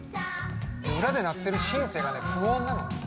裏で鳴っているシンセが不穏なの。